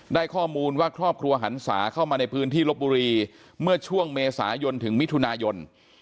ได้ข้อมูลว่าครอบครัวหันศาเข้ามาในพื้นที่ลบบุรีเมื่อช่วงเมษายนถึงมิถุนายน